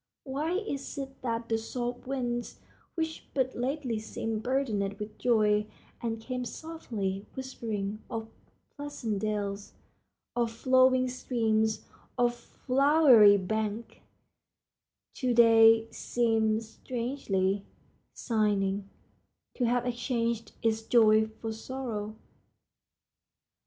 Why is it that the soft winds, which but lately seemed burdened with joy, and came softly whispering of pleasant dells, of flowing streams, of flowery banks, to day seem strangely sighing, to have exchanged its joy for sorrow?